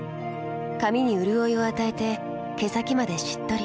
髪にうるおいを与えて毛先までしっとり。